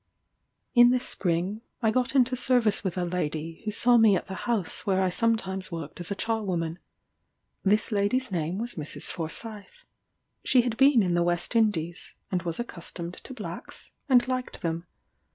In the spring, I got into service with a lady, who saw me at the house where I sometimes worked as a charwoman. This lady's name was Mrs. Forsyth. She had been in the West Indies, and was accustomed to Blacks, and liked them.